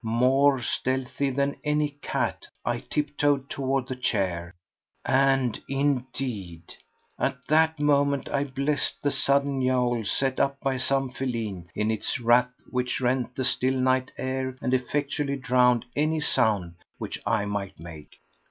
More stealthy than any cat, I tiptoed toward the chair—and, indeed, at that moment I blessed the sudden yowl set up by some feline in its wrath which rent the still night air and effectually drowned any sound which I might make.